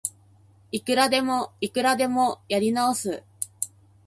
いくらでもいくらでもやり直す